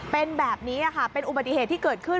เป็นแบบนี้ค่ะเป็นอุบัติเหตุที่เกิดขึ้น